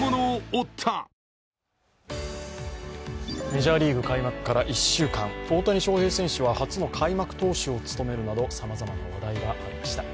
メジャーリーグ開幕から１週間、大谷翔平選手は初の開幕投手を務めるなど様々な話題がありました。